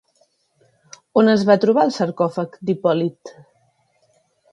On es va trobar el sarcòfag d'Hipòlit?